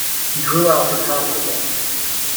He drew out his hand again.